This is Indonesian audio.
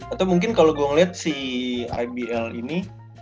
atau mungkin kalau gue ngeliat si ibl ini